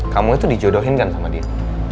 kamu itu dijodohin kan sama dia